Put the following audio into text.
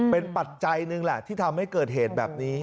เป็นปัจจัยหนึ่งแหละที่ทำให้เกิดเหตุแบบนี้